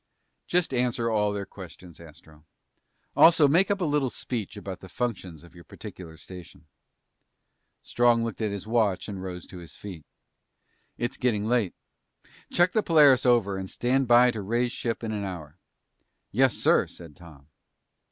"Just answer all their questions, Astro. Also, make up a little speech about the functions of your particular station." Strong looked at his watch and rose to his feet. "It's getting late. Check the Polaris over and stand by to raise ship in an hour." "Yes, sir," said Tom.